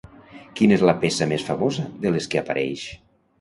Quina és la peça més famosa, de les que apareix?